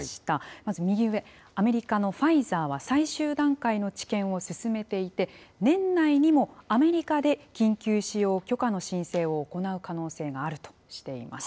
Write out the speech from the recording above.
まず右上、アメリカのファイザーは最終段階の治験を進めていて、年内にもアメリカで緊急使用許可の申請を行う可能性があるとしています。